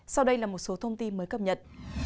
sau đây là một số thông tin mới cập nhật